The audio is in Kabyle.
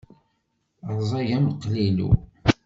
Rẓag am qlilu.